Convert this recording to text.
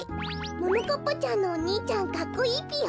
ももかっぱちゃんのお兄ちゃんかっこいいぴよ。